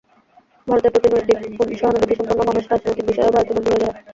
ভারতের প্রতি নৈতিক সহানুভূতিসম্পন্ন ব্যক্তি রাজনৈতিক বিষয়েও ভারতের বন্ধু হয়ে দাঁড়ায়।